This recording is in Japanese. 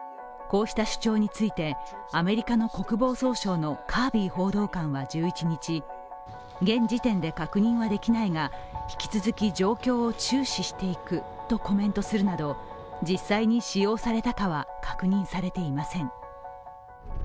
こうした主張についてアメリカの国防総省のカービー報道官は１１日現時点で確認はできないが、引き続き状況を注視していくとコメントするなど、実際に使用されたかは確認されていません。